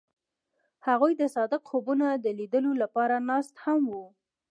هغوی د صادق خوبونو د لیدلو لپاره ناست هم وو.